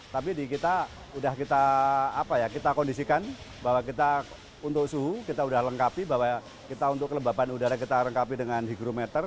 tapi kita kondisikan bahwa kita untuk suhu kita sudah lengkapi bahwa kita untuk kelembapan udara kita lengkapi dengan higrometer